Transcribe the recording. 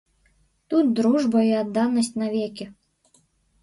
Тут дружба і адданасць навекі.